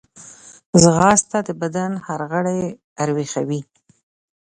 ځغاسته د بدن هر غړی راویښوي